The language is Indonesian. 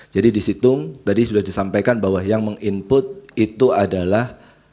jadi di situng tadi sudah disampaikan bahwa yang meng input itu adalah